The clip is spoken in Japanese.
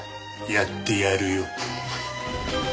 やってやるよ。